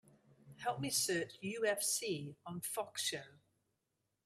Help me search UFC on Fox show.